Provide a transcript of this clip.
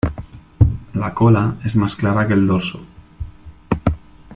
La cola es más clara que el dorso.